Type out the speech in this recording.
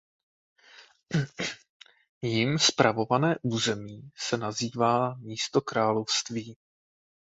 Jím spravované území se nazývá místokrálovství.